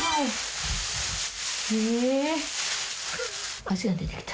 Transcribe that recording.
へえ。